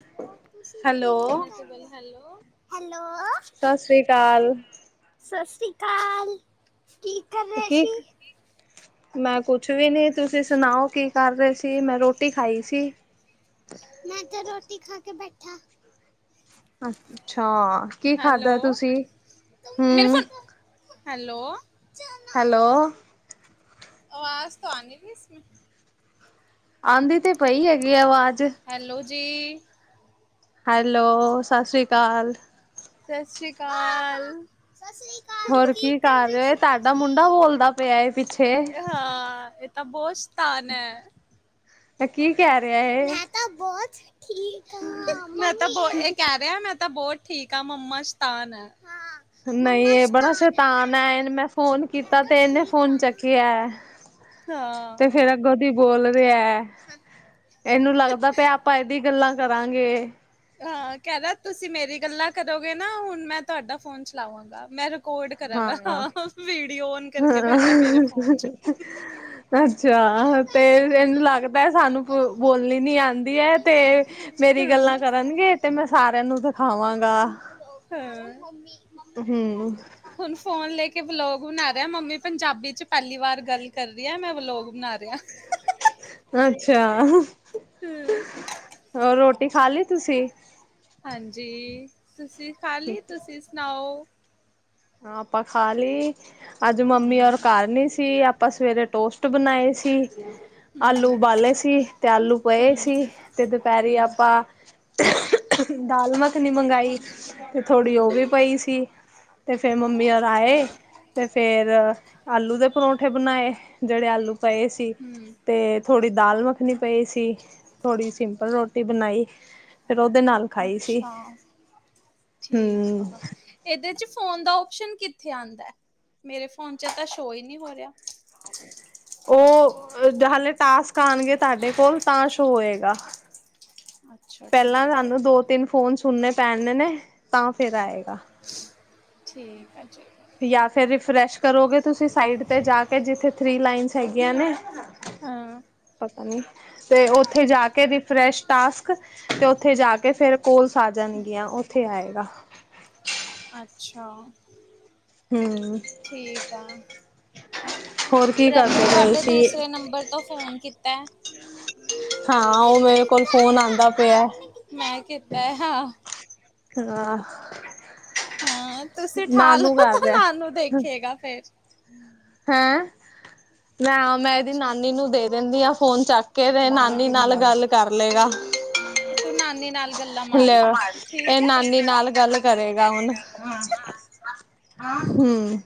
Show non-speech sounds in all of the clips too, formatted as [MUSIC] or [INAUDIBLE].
Hello. Hello, ਸਤਿ ਸ੍ਰੀ ਅਕਾਲ। ਸ਼ਿਕਾਲ। ਕੀ ਮੈਂ ਕੁਛ ਕੁਛ ਵੀ ਨਹੀਂ ਤੁਸੀਂ ਸੁਣਾਓ ਕੀ ਕਰ ਰਹੇ ਸੀ ਮੈਂ ਰੋਟੀ ਖਾਈ ਸੀ। ਮੈਂ ਤਾਂ ਰੋਟੀ ਖਾ ਕੇ ਬੈਠਾ। ਅੱਛਾ ਕੀ ਖਾਧਾ ਹੈਲੋ ਤੁਸੀਂ ਮੇਰੇ ਹਮ। Phone hello. ਹੈਲੋ। ਆਵਾਜ਼ ਤੋਂ ਆ ਨੀ ਰਹੀ ਇਸਕੀ। ਆਉਂਦੀ ਤੇ ਪਈ ਹੈਗੀ ਆ ਆਵਾਜ਼। ਹੈਲੋ ਜੀ ਹੈਲੋ ਸਤਿ ਸ਼੍ਰੀ ਅਕਾਲ। ਸਤਿ ਸ਼੍ਰੀ ਅਕਾਲ। ਹੋਰ ਕੀ ਕਰ ਰਹੇ ਹੋ ਏ ਤੁਹਾਡਾ ਮੁੰਡਾ ਬੋਲਦਾ ਪਿਆ ਪਿੱਛੇ ਏ ਬਹੁਤ ਸ਼ਤਾਨ ਹੈ। ਕੀ ਕਹਿ ਰਿਹਾ ਇਹ। ਠੀਕ ਮੈਂ ਤਾਂ ਬਹੁ ਇਹ ਕਹਿ ਰਿਹਾ ਮੈਂ ਤਾਂ ਬਹੁਤ ਠੀਕ ਆ ਮੰਮਾ ਸ਼ਤਾਨ ਆ। ਨਹੀਂ ਇਹ ਬੜਾ ਸ਼ੈਤਾਨ ਹੈ ਇਹਨੇ ਮੈਂ ਫੋਨ ਕੀਤਾ ਤੇ ਇਹਨੇ ਫੋਨ ਚੱਕਿਆ। ਤੇ ਹਾਂ ਫੇਰ ਅੱਗੋਂ ਦੀ ਬੋਲ ਰਿਹਾ ਇਹਨੂੰ ਲੱਗਦਾ ਪ ਆਪਾਂ ਇਹਦੀ ਗੱਲਾਂ ਕਰਾਂਗੇ। ਹਾਂ ਕਹਿਦਾ ਤੁਸੀਂ ਮੇਰੀ ਗੱਲਾਂ ਕਰੋਗੇ ਨਾ ਹੁਣ ਮੈਂ ਤੁਹਾਡਾ ਫੋਨ ਚਲਾਵਾਂਗਾ ਮੈਂ। ਕੋਡ ਕਰਾਂਗਾ ਹਾਂ ਵੀਡੀਓ ਓਨ ਕਰਕੇ ਬੈਠਾ ਹਾਂ ਮੇਰੇ ਫੋਨ ਚ। ਅੱਛਾ ਤੇ ਇਹਨੂੰ ਲੱਗਦਾ ਹੈ ਸਾਨੂੰ ਬੋਲਣੀ ਨੀ ਆਉਂਦੀ ਹੈ ਤੇ ਮੇਰੀ ਗੱਲਾਂ ਕਰਨਗੇ ਤੇ ਮੈਂ ਸਾਰਿਆਂ ਨੂੰ ਦਿਖਾਵਾਂਗਾ। ਹਮ। ਕਿ ਬਲੋਗ ਬਣਾ ਰਿਹਾ ਮੰਮੀ ਪੰਜਾਬੀ ਚ ਪਹਿਲੀ ਵਾਰ ਗੱਲ ਕਰ ਰਹੀ ਹੈ ਮੈਂ ਵਲੋਗ ਬਣਾ ਰਿਹਾ। [UNINTELLIGIBLE] ਅੱਛਾ ਹਮ, ਹੋਰ ਰੋਟੀ ਖਾ ਲਈ ਤੁਸੀਂ? ਹਾਂਜੀ ਤੁਸੀਂ ਖਾਲੀ ਤੁਸੀਂ ਸੁਣਾਓ? ਹ ਆਪਾਂ ਖਾ ਲਈ ਅੱਜ ਮੰਮੀ ਔਰ ਹਮ ਘਰ ਨੀ ਸੀ। ਆਪਾਂ ਸਵੇਰੇ ਟੋਸਟ ਬਣਾਏ ਸੀ। ਆਲੂ ਹਮ ਉਬਾਲੇ ਸੀ ਤੇ ਆਲੂ ਪਏ ਹਮ ਸੀ ਤੇ ਦੁਪਹਿਰੀ ਹਮ ਆਪਾਂ ਦਾਲ ਮੱਖਣੀ ਮੰਗਾਈ ਤੇ ਥੋੜ੍ਹੀ ਉਹ ਹਮ ਵੀ ਪਈ ਸੀ। ਤੇ ਫੇਰ ਹਮ ਮੰਮੀ ਆਏ ਤੇ ਫੇਰ ਆਲੂ ਦੇ ਪਰੌਂਠੇ ਬਣਾਏ। ਜਿਹੜੇ ਆਲੂ ਪਏ ਸੀ ਹਮ ਤੇ ਥੋੜੀ ਦਾਲ ਮਖ ਰੱਖਣੀ ਪਈ ਸੀ ਥੋੜੀ ਸਿੰਪਲ ਰੋਟੀ ਬਣਾਈ। ਫੇਰ ਉਹਦੇ ਨਾਲ ਖਾਈ ਸੀ ਅੱਛਾ ਠੀਕ ਹੂੰ। ਆ ਇਹਦੇ ਚ ਫੋਨ ਦਾ ਸ਼ਨ ਕਿੱਥੇ ਆਉਂਦਾ ਮੇਰੇ ਫੋਨ ਚ ਤਾਂ ਸ਼ੋ ਹੀ ਨਹੀਂ ਹੋ ਰਿਹਾ। ਉਹ ਹਾਲੇ ਟਾਸਕ ਆਉਣਗੇ ਤੁਹਾਡੇ ਕੋਲ ਤਾਂ ਸ਼ ਹੋਏਗਾ। ਅੱਛਾ ਪਹਿਲਾਂ ਠੀਕ ਹੈ ਸਾਨੂੰ ਦੋ ਤਿੰਨ ਫੋਨ ਸੁਣਨੇ ਪੈਦੇ ਨੇ ਤਾਂ ਫੇਰ ਆਏਗਾ। ਠੀਕ ਹੈ ਜ। ਯ ਫਿਰ ਰਿਫ੍ਰੈਸ਼ ਕਰੋਗੇ ਤੁਸੀਂ ਸਾਈਡ ਤੇ ਜਾ ਕੇ ਜਿਥੇ ਥ੍ਰਰੀ ਲਾਈਨ ਹੈਗੀਆਂ ਨੇ। ਹਾਂ ਪਤਾ ਨੀ ਤੇ ਉੱਥੇ ਜਾ ਕੇ ਰਿਫਰੈਸ਼ ਟਾਸਕ ਤੇ ਉੱਥੇ ਜਾ ਕੇ ਫੇਰ ਕੋਲਸ ਆ ਜਾਣਗੀਆਂ ਉੱਥੇ ਆਏਗਾ। ਅੱਛਾ। ਹੂੰ ਠੀਕ ਆ। ਹੋਰ ਕੀ ਪ੍ਰਭ ਕਰਦੇ ਨੇ ਪਏ ਤੁਹਾਡੇ ਸੀ ਦੂਸਰੇ ਨੰਬਰ ਤੋਂ ਫੋਨ ਕੀਤਾ। ਹਾਂ ਉਹ ਮੇਰੇ ਕੋਲ ਫੋਨ ਆਉਂਦਾ ਪਿਆ। ਮੈਂ ਕੀਤਾ ਹੈ ਹਾਂ ਹਾਂ। ਹਾਂ ਤੁਸੀਂ ਠਾਹ ਲੋ ਨਾਨੂ ਕਰ ਤੇ ਰਿਹਾ ਨਾਨੂੰ ਦੇਖੇਗਾ ਫੇਰ। ਹੈਂ। ਮੈਂ ਮੈਂ ਇਹਦੀ ਅੱਛਾ ਨਾਨੀ ਨੂੰ ਦੇ ਦਿੰਦੀ ਆਾਂ ਫੋਨ ਚੱਕ ਕੇ ਤੇ ਹਾਂ ਨਾਨੀ ਨਾਲ ਗੱਲ ਕਰ ਲਏਗਾ। ਤੂੰ ਨਾਨੀ ਨਾਲ। ਲਿਓ ਇਹ ਨਾਨੀ ਨਾਲ ਗੱਲ ਕਰੇਗਾ ਹੁਣ। ਹਮ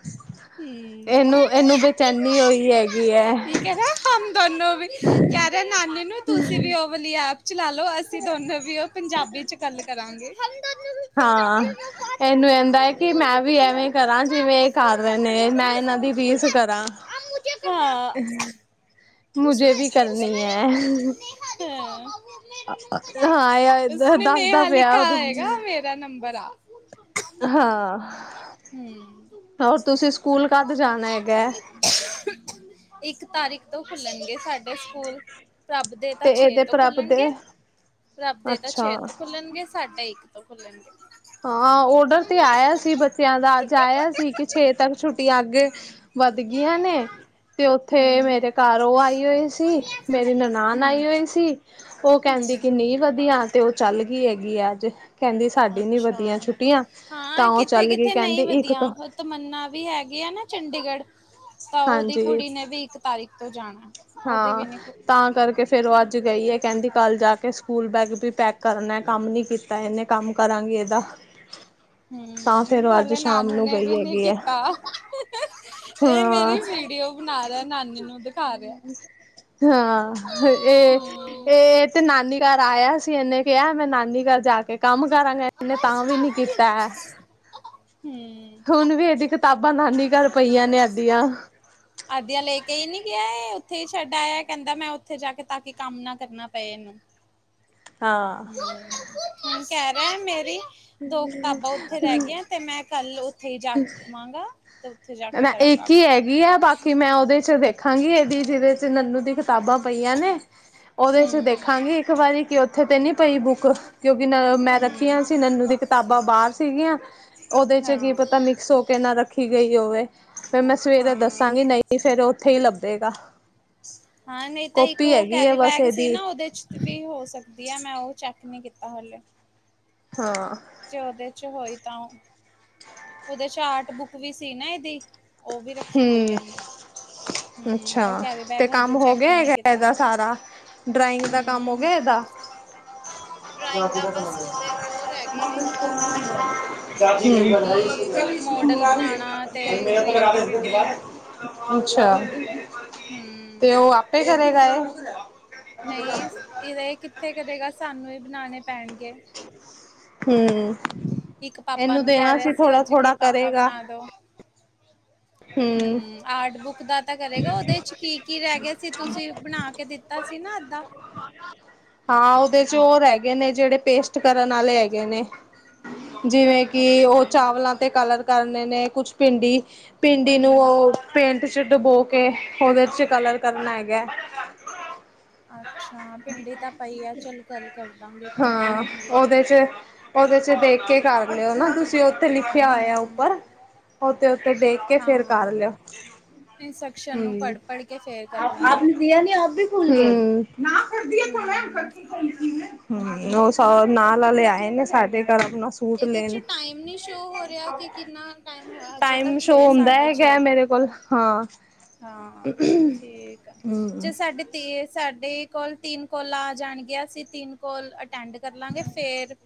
ਇਹਨੂੰ ਇਹਨੂੰ ਬੇਚੈਨੀ ਹੋਈ। ਹੈਗੀ ਹੈ ਕੀ ਕਹ ਹਮ ਦੋਨੋ ਵੀ ਕਹਿ ਰਿਹੇ ਨਾਨੀ ਨੂੰ ਤੁਸੀਂ ਵੀ ਉਵਲੀ ਆਪ। ਚਲਾ ਲੋ ਅਸੀਂ ਦੋਨੋ ਵੀ ਉਹ ਪੰਜਾਬੀ ਚ ਗੱਲ ਕਰਾਂਗੇ। ਮੈਨੂੰ ਕਹਿੰਦਾ ਹੈ ਕਿ ਮੈਂ ਵੀ ਐਵੇਂ ਕਰਾਂ ਜਿਵੇਂ ਇਹ ਕਰ ਰਹੇ। ਨੇ ਮੈਂ ਇਹਨਾਂ ਦੀ ਵੀਸ ਕਰਾਂ। ਉਸ ਮੁਝੇ ਵੀ ਉਸੇ ਕਰਨੀ ਹੈ ਨਾ। ਹਾਂ ਯ ਉਸਨੇ ਦੱਸਦਾ ਨੇਹਾ ਪਿਆ ਲਿਖਾ ਉਹਦੇ ਆਏਗਾ ਮੇਰਾ ਨੰਬਰ ਆ। ਹਾਂ। ਹੂੰ ਹੋਰ ਤੁਸੀਂ ਸਕੂਲ ਕਦ ਜਾਣਾ ਹੈਗਾ। ਇੱਕ ਤਾਰੀਖ ਤੋਂ ਖੁੱਲਣਗੇ ਸਾਡੇ ਸਕੂਲ। ਰੱਬ ਦੇ ਤਾਂ ਤੇ ਛੇ ਇਹਦੇ ਤੋਂ ਪ੍ਰਭ ਦੇ ਖੁੱਲਣਗੇ ਰੱਬ ਦੇ ਤਾਂ ਛੇ ਅੱਛਾ ਤੋਂ ਖੁੱਲਣਗੇ ਸਾਢਾ ਇੱਕ। ਖੁੱਲਣਗੇ। ਹਾਂ ਓਡਰ ਤੇ ਆਇਆ ਸੀ ਬੱਚਿਆਂ ਦਾ ਅੱਜ ਆਇਆ ਸੀ ਕਿ ਛੇ ਤੱਕ ਛੁੱਟੀ ਅਗੇ। ਵੱਧ ਗਈਆਂ ਨੇ। ਤੇ ਉੱਥੇ ਹਮ ਮੇਰੇ ਘਰ ਉਹ ਆਈ ਹੋਈ ਸੀ ਮੇਰੀ ਨਨਾਨ ਹਮ ਆਈ ਹੋਈ ਸੀ ਉਹ ਕ। ਕਹਿੰਦੀ ਹਮ ਕਿ ਨਹੀ ਵਧੀਆਂ ਤੇ ਉਹ ਚੱਲ ਗਈ ਹੈਗੀ ਆ ਅੱਜ ਕਹਿੰਦੀ ਸਾ। ਅੱਛਾ ਹਾਂ ਕਿੱਥੇ ਚੱਲ ਗਈ ਕਿੱਥੇ ਕਹਿੰਦੀ ਨਹੀਂ ਇੱਕ ਤੋਂ ਵਧੀਆਂ ਉਹ ਤਮੰਨਾ ਵੀ ਹੈਗੀ ਆ ਨਾ ਚੰਡੀਗੜ੍ਹ। ਤਾਂ ਉਹਦੀ ਹਾਂਜੀ ਕੁੜੀ ਨੇ ਵੀ ਇੱਕ ਤਾਰੀਕ ਤੋਂ ਜਾਣਾ। ਉਹਦੀ ਹਾਂ ਵੀ ਨੀ ਤਾਂ ਕਰਕੇ ਫੇਰ ਉਹ ਅੱਜ। ਗਈ ਹੈ ਕਹਿੰਦੀ ਕੱਲ੍ਹ ਜਾ ਕੇ ਸਕੂਲ ਬੈਗ ਵੀ ਪੈਕ ਕਰਨਾ ਕੰਮ ਨਹੀਂ ਕੀਤਾ ਇਹਨੇ ਕੰਮ ਕਰਾਂਗੀ ਇਹਦਾ। ਹ। ਹਮ। ਹਲੇ ਨਾਨੂ ਨੇ ਗਈ ਵੀ ਨੀ ਹੈਗੀ ਹੈ ਕੀਤਾ ਇਹ ਮੇਰੀ ਹਾਂ ਵੀਡੀਓ ਬਣਾ ਰਿਹਾ ਨ। ਨੂੰ। ਦਿਖਾ ਰਿਹਾ ਹਾਂ ਇਹ ਹਮ ਇਹ ਤੇ ਨਾ। ਨਾਨੀ ਘਰ ਆਇਆ ਸੀ ਇਹਨੇ ਕਿਹਾ ਮੈਂ ਨਾਨੀ ਘਰ ਜਾ ਕੇ ਕੰਮ ਕਰਾਂਗਾ ਇਨੇ ਤਾਂ ਵੀ ਨੀ ਕੀਤਾ ਹੈ ਹਮ ਹੁਣ ਵੀ ਇਹਦੀ। ਕਿਤਾਬਾਂ ਨਾਨੀ ਘਰ ਪਈਆਂ ਨੇ ਅੱਧੀਆਂ। ਆਦਿਆ ਲੈ ਕੇ ਹੀ ਨੀ ਗਿਆ ਏ ਉੱਥੇ ਹੀ ਛੱਡ ਆਇਆ ਕਹਿੰਦਾ ਮੈਂ ਉੱਥੇ ਜਾ ਕੇ ਤਾਂ ਕਿ ਕੰਮ ਨਾ ਕਰਨਾ ਪਏ ਇਹਨੂੰ। ਹਾਂ ਹਮ ਹੁਣ ਕਹਿ ਰਿਹਾ ਮੇਰੀ। ਦੋ ਕਿਤਾਬਾਂ ਉੱਥੇ ਰਹਿ ਗਈਆਂ ਤੇ ਮੈਂ ਕੱਲ ਉੱਥੇ ਹੀ ਜਾਵਾਂਗਾ ਤੇ ਉੱਥੇ ਜਾ ਕੇ ਮੈਂ ਕਰਾਂ। ਇੱਕ ਹੀ ਹੈਗੀ ਆ ਬਾਕੀ ਮੈਂ ਉਹਦੇ ਚ ਦੇਖਾਂਗੀ। ਦੀ ਜਿਹਦੇ ਚ ਨੰਨੂ ਦੀ ਕਿਤਾਬਾਂ ਪਈਆਂ ਨੇ ਉਹਦੇ ਚ ਹੂੰ ਦੇਖਾਂਗੀ ਇੱਕ ਵਾਰੀ ਕੀ ਉੱਥੇ ਤੇ ਨੀ। ਪਈ ਬੁੱਕ ਕਿਉਂਕਿ ਮੈਂ ਹੂੰ ਰੱਖੀਆਂ। ਨੰਨੂ ਦੀ ਕਿਤਾਬਾਂ ਬਾਹਰ ਸੀਗੀਆਂ ਉਹਦੇ ਚ ਕੀ ਹਾਂ ਪਤਾ ਮਿਕਸ ਹੋ ਕੇ ਨਾ ਰੱਖੀ ਗਈ ਹੋਵੇ। ਫਿਰ ਮੈਂ ਸਵੇਰੇ ਹਾਂ। ਦੱਸਾਂਗੀ ਨਹੀਂ ਫੇਰ ਉੱਥੇ ਹੀ ਲੱਭੇਗਾ। ਹਾਂ ਨਹੀਂ ਤਾਂ ਇੱਕ ਕਾਪੀ ਉਹ ਹੈਗੀ ਹੈ ਕੈਰੀ ਬਸ ਬੈਗ ਸੀ ਇਹਦੀ ਨਾ ਉਹਦੇ ਚ ਵੀ ਹੋ ਸਕਦੀ ਹੈ ਮੈਂ ਉਹ। ਚੈੱਕ ਨਹੀਂ ਕੀਤਾ ਹੱਲੇ। ਹਾਂ। ਜੇ ਓਦੇ ਚ ਹੋਈ ਤਾਂ ਓਦੇ ਚ ਆਰਟ ਬੁੱਕ ਵੀ ਸੀ ਨਾ ਇਹਦੀ। ਉਹ ਵੀ ਰੱਖੀ ਹੋਈ ਹਮ ਐਨੇ। ਅੱਛਾ ਤੇ ਕੰਮ ਹੋ ਗਿਆ ਹੀ ਨਹੀਂ ਹੈਗਾ ਕੀਤਾ। ਇਹਦਾ ਸਾਰਾ। ਡਰਾਇੰਗ ਦਾ ਕੰਮ ਹੋ ਹੂੰ ਗਿਆ ਇਹਦਾ। ਡਰਾਇੰਗ ਦਾ ਬਸ ਉਹਦੇ ਉਹ ਰਹਿ ਗਏ ਨੇ ਕਿ [UNINTELLIGIBLE] ਮੋਡਲ ਬਣਾਣਾ ਤੇ ਕ੍ਰੀਏਟੀਵਿਟੀ ਅੱਛਾ। ਹੂੰ। ਫੇਰ ਆਏ ਨਹੀਂ ਇਹਦਾ ਇਹ ਕਿੱਥੇ ਕਰੇਗਾ ਸਾਨੂੰ ਹੀ ਬਣਾਣੇ ਪੈਣਗੇ। ਹੂੰ। ਇੱਕ ਪਾਪਾ ਨੂੰ ਕਹਿ ਰਿਹਾ ਸੀ ਅੱਜ ਕੇ ਥੋੜਾ ਪਾਪਾ ਬਣਾ ਦੋ ਹੂੰ। ਹੂੰ ਆਰਟ ਬੁੱਕ ਦਾ ਤਾਂ ਕਰੇਗਾ ਉਹਦੇ ਚ ਕੀ-ਕੀ ਰਹਿ ਗਿਆ ਸੀ ਤੁਸੀਂ ਬਣਾ ਕੇ ਦਿੱਤਾ ਸੀ ਨਾ ਅੱਧਾ। ਹਾਂ ਉਹਦੇ ਚ ਹੈਗੇ ਨੇ ਜਿਹੜੇ ਪੇਸਟ ਕਰਨ ਵਾਲੇ ਹੈਗੇ ਨੇ- ਜਿਵੇਂ ਕਿ ਅੱਛਾ ਉਹ ਚਾਵਲਾਂ ਤੇ ਕਲਰ ਕਰਨੇ ਨੇ ਕੁਛ ਭਿੰਡੀ- ਭਿੰਡੀ ਨੂੰ ਹੂੰ ਉਹ ਪੇਂਟ- ਚ ਡੁਬੋ ਕੇ ਉਹਦੇ ਚ ਕਲਰ ਕਰਨਾ ਹੈਗਾ। ਅੱਛਾ ਭਿੰਡੀ ਤਾਂ ਪਈ ਐ ਚੱਲ ਗੱਲ ਕਰਦਾਂਗੇ ਹਾਂ ਕੰਪਲੀਟ। ਉਹਦੇ ਚ ਉਹਦੇ ਚ ਦੇਖ ਕੇ ਕਰ ਲਿਓ ਨਾ ਤੁਸੀਂ ਉੱਥੇ ਲਿਖਿਆ ਆਯਾ ਹੂੰ ਉੱਪਰ ਉਤੇ ਉੱਥੇ ਦੇਖ ਕੇ ਫੇਰ ਹਾਂ ਕਰ ਲਿਓ ਇੰਸਟਰਕਸ਼ਨ ਨੂੰ ਹੂੰ ਪੜ੍ਹ-ਪੜ੍ਹ ਕੇ ਫੇਰ ਕਰ ਆਪ ਲਾਂਗੇ ਨੇ ਦੀਆ ਨੀ ਆਪ ਬੀ ਹੂੰ। ਹੂੰ। ਹੂੰ ਉਹ ਸ ਨਾਲ ਆਲੇ ਆਏ ਨੇ ਸਾਡੇ। ਘਰ ਆਪਣਾ ਸੂਟ ਇਹਦੇ ਚ ਲੈਣ ਟਾਈਮ ਨੀ ਸ਼ੋ ਹੋ ਰਿਹਾ ਕਿ ਕਿੰਨਾ ਟਾਈਮ ਹੋਇਆ ਹਜੇ ਤੱਕ- ਉਹ ਹੁੰਦਾ ਹੈਗਾ ਮੇਰੇ ਕੋਲ ਹਾਂ। ਹਾਂ ਠੀਕ ਆ ਹਮ ਜੇ ਸਾਡੇ ਤੇ ਸਾ- ਡੇ ਕੋਲ ਤਿੰਨ ਕੋਲਾ ਆ ਜਾਣਗੇ ਅਸੀਂ ਤਿੰਨ ਕੋਲ ਅਟੈਂਡ ਕਰ ਲਾਂਗੇ ਫੇਰ।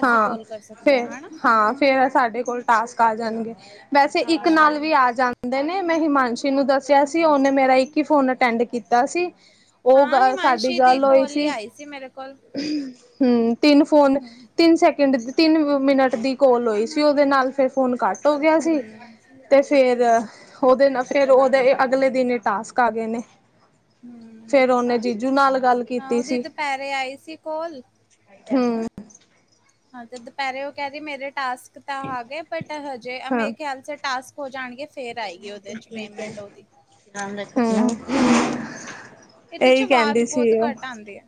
ਅਸੀਂ ਹਾਂ ਕੋਲ ਕਰ ਸਕਦੇ ਫੇਰ ਹਾਂ ਹਨਾ ਹਾਂ ਫੇਰ ਸਾਡੇ ਕੋਲ ਟਾਸਕ- ਆ ਜਾਣਗੇ ਵੈਸੇ ਇੱਕ ਅੱਛਾ। ਨਾਲ ਵੀ ਆ ਜਾਂਦੇ ਨੇ ਮੈਂ ਹਿਮਾਂਸ਼ੀ ਨੂੰ ਦੱਸਿਆ ਸੀ, ਓਹਨੇ ਮੇਰਾ ਇੱਕ ਹੀ ਫੋਨ ਅਟੈਂਡ ਕੀਤਾ ਸੀ। ਉਹ ਹਾਂ ਗ ਸਾਡੀ ਹਿਮਾਂਸ਼ੀ ਦੀ ਕੋਲ ਹੀ ਆਈ ਸੀ ਮੇਰੇ ਕੋਲ ਹੂ ਤਿੰਨ ਫੋਨ ਹੂੰ, ਤਿੰਨ ਸੈਕਿੰਡ ਤਿੰਨ ਮਿੰਟ ਦੀ ਕਲ ਹੋਈ ਸੀ ਉਹਦੇ ਨਾਲ ਫੇਿਰ ਫੋਨ ਕੱਟ ਹੋ ਗਿਆ ਸੀ ਹੂੰ। ਤੇ ਫੇਰ ਫਿਰ ਉਹਦੇ ਨਾਲ ਫੇਿਰ ਉਹਦੇ ਅਗਲੇ ਦਿਨ ਹੀ ਟਾਸਕ ਆ ਗਏ ਨੇ ਹੂੰ ਫਿਰ ਓਹਨੇ ਜੀਜੂ ਨਾਲ ਗੱਲ ਹਾਂ ਕੀਤੀ ਉਹਦੀ ਸੀ। ਦੁਪਹਿਰੇ ਆਈ ਸੀ ਕੋਲ- ਹੂੰ। ਹਾਂ ਤੇ ਦੁਪਹਿਰੇ ਉਹ ਕਹਿ ਰਹੀ ਮੇਰੇ ਟਾਸਕ ਤਾਂ ਆ ਗਏ ਬਟ ਹਜੇ ਹਾਂ ਮੇਰੇ ਖਿਆਲ ਸੇ ਟਾਸਕ ਹੋ ਜਾਣਗੇ- ਫੇਰ ਆਏਗੀ ਉਹਦੇ 'ਚ ਪੇਮੈਂਟ ਉਹਦੀ। [UNINTELLIGIBLE] ਇਹਦੇ ' ਇਹੀ ਆਵਾਜ਼ ਕਹਿੰਦੀ ਬਹੁਤ ਸੀ ਉਹ ਘੱਟ ਆਦੀ ਐ।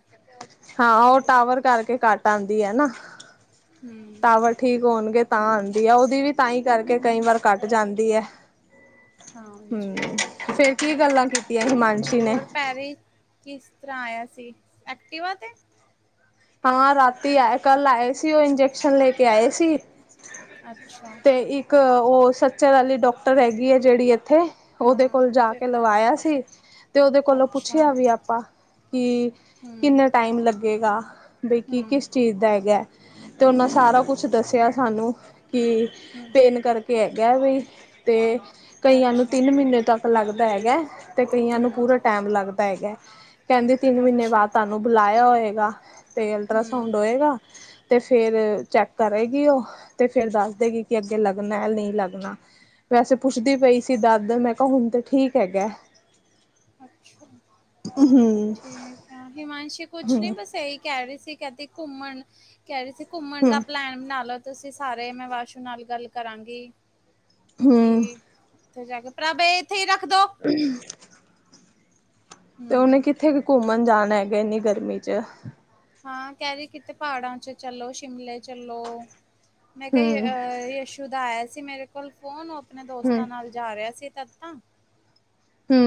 ਹਾਂ ਉਹ ਟਾਵਰ ਕਰਕੇ ਘੱਟ ਆਂਦੀ ਏ ਨਾ ਟਾਵਰ ਹੂੰ, ਠੀਕ ਹੋਣਗੇ। ਤਾਂ ਆਂਦੀ ਐ ਉਹਦੀ ਵੀ ਤਾਂਹੀ ਕਰਕੇ ਕਈ ਵਾਰ ਕੱਟ ਜਾਂਦੀ ਐ। ਹੂੰ ਹਾਂਜੀ। ਫੇਰ ਕੀ ਗੱਲਾਂ ਕੀਤੀਆਂ ਹਿਮਾਂਸ਼ੀ ਨੇ ਕਿਸਤਰ੍ਹਾਂ ਆਯਾ ਸੀ? ਅਕਟਿਵਾ ਤੇ- ਹਾਂ ਰਾਤੀ ਆਯੇ ਕੱਲ ਆਯੇ ਸੀ ਉਹ ਇਨਫੈਕਸ਼ਨ ਲੈ ਕੇ ਆਯੇ ਸੀ। ਅੱਛਾ। ਤੇ ਇੱਕ ਉਹ ਸੱਚਰ ਵਾਲੀ ਡੋਕਟਰ ਹੈਗੀ ਹੈ ਜਿਹੜੀ ਇੱਕ- ਥੇ ਉਹਦੇ ਹਾਂ ਕੋਲ ਜਾ ਤੇ ਕੇ ਲਵਾਇਆ ਸੀ ਤੇ ਉਹਦੇ ਕੋਲੋਂ ਅੱਛਾ, ਪੁੱਛਿਆ ਵੀ ਆਪਾਂ- ਕਿ ਹੂੰ, ਕਿੰਨਾ ਟਾਇਮ ਲੱਗੇਗਾ? ਬਈ ਕੀ ਹੂੰ, ਕਿਸ ਚੀਜ਼ ਦਾ ਹੈਗਾ ਹੈ, ਤੇ ਉਹਨਾਂ ਹੂੰ, ਸਾਰਾ ਕੁੱਛ ਦਸਯਾ ਸਾਨੂੰ। ਕਿ ਹੂੰ, ਪੇਨ ਕਰਕੇ ਹੈਗਾ ਵੀ ਤੇ ਕਈਆਂ ਨੂੰ ਅੱਛਾ, ਤਿੰਨ ਮਹੀਨੇ ਤੱਕ ਲੱਗ ਦਾ ਹੈਗਾ ਤੇ ਕਈਆਂ ਨੂੰ ਹੂੰ, ਪੂਰਾ ਟੈਮ ਲੱਗਦਾ ਹੈਗਾ। ਕਹਿੰਦੀ ਤਿੰਨ ਮਹੀਨੇ ਅੱਛਾ, ਬਾਅਦ ਤੁਹਾਨੂੰ ਬੁਲਾਇਆ ਹੋਏਗਾ ਤੇ ਅਲਟਰਾਸਾਊਂੰਡ ਹੂੰ, ਹੋਏਗਾ। ਤੇ ਫੇਰ ਚੈੱਕ ਕਰੇਗੀ ਉਹ ਤੇ ਫੇਰ ਦੱਸ ਦੇਗੀ, ਕਿ ਅੱਗੇ ਲੱਗਣਾ ਨਹੀਂ ਲੱਗਣਾ। ਵੈਸੇ ਪੁੱਛਦੀ ਪਈ ਸੀ ਅੱਛਾ, ਦਾਦਰ, ਮੈਂ ਕਿਹਾ ਹੁਣ ਤੇ ਠੀਕ ਹੈਗਾ। ਅੱਛਾ ਹਮ ਠੀਕ ਹੈ, ਹਿਮਾਂਸ਼ੀ ਕੁਛ ਹਮ ਨਹੀ ਬਸ ਇਹੀ ਕਹਿ ਰਹੀ ਸੀ। ਕਹਿੰਦੀ ਘੁੰਮਣ ਕਹਿ ਰਹੀ ਸੀ, ਘੁੰਮਣ ਦਾ ਹਮ ਪਲੈਨ ਬਣਾ ਲਓ। ਤੁਸੀਂ ਸਾਰੇ, ਮੈਂ ਵਾਸ਼ੂ ਨਾਲ ਗੱਲ ਕਰਾਂਗੀ। ਹੂੰ, ਉਥੇ ਜਾ ਕੇ, ਪ੍ਰਭ ਇਹ ਇੱਥੇ ਹੀ ਰੱਖ ਦੋ। [UNINTELLIGIBLE] ਤੇ ਉਹਨੇ ਹੂੰ ਕਿੱਥੇ ਕੇ ਘੁੰਮਣ ਜਾਣ ਹੈਗਾ, ਇੰਨੀ ਗਰਮੀ ਚ। ਹਾਂ ਕਹਿ ਰਹੀ ਕਿਤੇ ਪਹਾੜਾਂ ਚ ਚੱਲੋ, ਸ਼ਿਮਲੇ ਚੱਲੋ। ਮੈਂ ਹਮ ਕਿਹਾ ਅ ਯਸ਼ੂ ਦਾ ਆਇਆ ਸੀ ਮੇਰੇ ਕੋਲ ਫੋਨ, ਉਹ ਆਪਣੇ ਹਮ ਦੋਸਤਾਂ ਨਾਲ ਜਾ ਰਿਹਾ ਸੀ। ਰਤਨਾ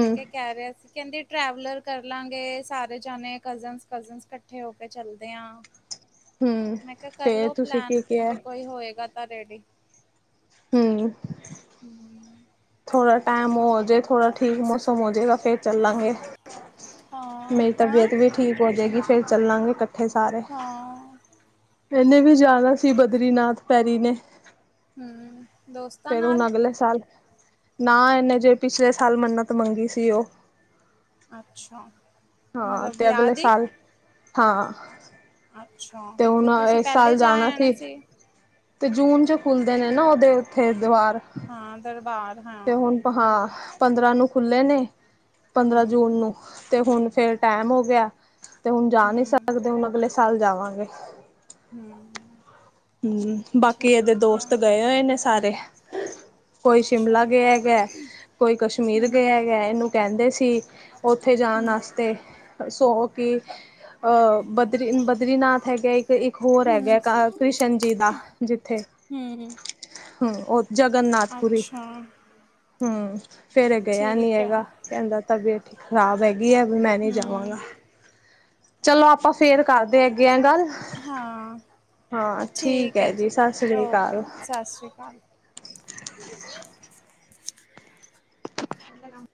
ਮੈਂ ਕਿਹਾ, ਕਹਿ ਰਿਹਾ ਸੀ। ਕਹਿੰਦੀ ਟਰੈਵਲਰ ਕਰ ਲਾਂਗੇ ਸਾਰੇ ਜਾਣੇ, ਕਜਨਸ- ਕਜਨਸ ਇਕੱਠੇ ਹੋ ਕੇ ਚਲਦੇ ਆ। ਹਮ ਮੈਂ ਕਿਹਾ ਤੇ ਕਰਲੋ ਤੁਸੀਂ ਕੀ ਪਲੈਨ, ਕਿਹਾ ਜੇ ਕੋਈ ਹੋਏਗਾ ਤਾਂ ਰੈਡੀ। ਹਮ [UNINTELLIGIBLE] ਥੋੜਾ ਟਾਈਮ ਹੋਜੇ, ਥੋੜਾ ਠੀਕ ਮੌਸਮ ਹੋ ਜੇਗਾ ਫੇਰ ਚੱਲਾਂਗੇ। ਹਾਂ ਮੇਰੀ ਹੈਂ ਤਬੀਅਤ ਵੀ ਠੀਕ ਹੋ ਜਾਏਗੀ, ਫੇਰ ਚੱਲਾਂਗੇ ਇਕੱਠੇ ਸਾਰੇ। ਹਾਂ ਇਹਨੇ ਵੀ ਜਾਣਾ ਸੀ ਬਦਰੀਨਾਥ ਪੈਰੀ ਨੇ। ਹੂੰ, ਦੋਸਤਾਂ ਫੇਰ ਹੁਣ ਨਾਲ ਅਗਲੇ ਸਾਲ ਨਾ ਇਹਨੇ ਜੇ ਪਿਛਲੇ ਸਾਲ ਮੰਨਤ ਮੰਗੀ ਸੀ ਉਹ। ਅੱਛਾ। ਹਾਂ, ਮਤਲਬ ਤੇ ਵਿਆਹ ਅਗਲੇ ਦੀ ਸਾਲ ਹਾਂ। ਅੱਛਾ, ਤੇ ਹੁਣ ਫਿਰ ਤੁਸੀਂ ਇਸ ਪਹਿਲੇ ਸਾਲ ਜਾ ਜਾਣਾ ਆਣਾ ਸੀ। ਤੇ ਜੂਨ ਜੋ ਖੁੱਲਦੇ ਨੇ ਨਾ, ਉਹਦੇ ਉੱਥੇ ਦੀਵਾਰ ਹਾਂ ਦਰਬਾਰ ਹਾਂ ਤੇ ਹੁਣ ਹਾਂ ਪੰਦਰਾਂ ਨੂੰ ਖੁੱਲ੍ਹੇ ਨੇ, ਪੰਦਰਾਂ ਹੂੰ ਜੂਨ ਨੂੰ ਤੇ ਹੁਣ ਫਿਰ ਟਾਈਮ ਹੋ ਗਿਆ ਤੇ ਹੁਣ ਜਾ ਨਹੀਂ ਹੂੰ ਸਕਦੇ, ਹੁਣ ਅਗਲੇ ਸਾਲ ਜਾਵਾਂਗੇ। ਹੂੰ, ਹੂੰ, ਬਾਕੀ ਇਹਦੇ ਠੀਕ ਹੈ ਦੋਸਤ ਗਏ ਹੋਏ ਨੇ ਸਾਰੇ। ਕੋਈ ਅੱਛਾ ਸ਼ਿਮਲਾ ਗਿਆ ਹੈਗਾ, ਕੋਈ ਕਸ਼ਮੀਰ ਹੂੰ ਗਿਆ ਹੈਗਾ, ਇਹਨੂੰ ਕਹਿੰਦੇ ਸੀ ਉੱਥੇ ਜਾਣ ਹੂੰ ਵਾਸਤੇ ਸੌ ਕੀ ਬਦਰੀ ਬਦਰੀਨਾਥ ਹੈਗਾ ਇੱਕ, ਇੱਕ ਹੋਰ ਹੈਗਾ ਹੂੰ ਕਾ ਕ੍ਰਿਸ਼ਨ ਜੀ ਦਾ ਜਿੱਥੇ ਹੂੰ ਹੂੰ, ਉਹ ਜਗਨਨਾਥਪੁਰੀ। ਅੱਛਾ ਹੂੰ ਫੇਰ ਗਿਆ ਨੀ ਠੀਕ ਆ ਹੈਗਾ, ਕਹਿੰਦਾ ਤਬੀਅਤ ਖ਼ਰਾਬ ਹੈਗੀ। ਹੈਗੀ ਐ, ਵੀ ਮੈਂ ਨਹੀਂ ਜਾਵਾਂਗਾ। ਹੂੰ ਚਲੋ ਆਪਾਂ ਫੇਰ ਕਰਦੇ ਹੈਗੇ ਆ ਗੱਲ। ਹਾਂ ਹਾਂ ਠੀਕ ਹੈ ਜੀ, ਸਸ ਰੀ ਓਕੇ ਕਾਲ। ਸਤਿ ਸ਼੍ਰੀ ਅਕਾਲ [UNINTELLIGIBLE] [UNINTELLIGIBLE]